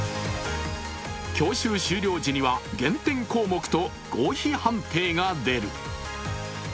教習終了時には減点項目と合否判定が出る。